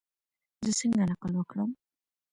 زه څنګه نقل وکړم؟